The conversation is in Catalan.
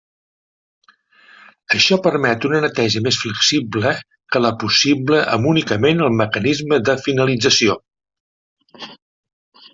Això permet una neteja més flexible que la possible amb únicament el mecanisme de finalització.